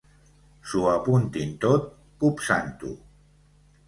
S'ho apuntin tot copsant-ho.